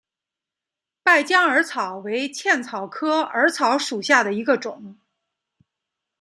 败酱耳草为茜草科耳草属下的一个种。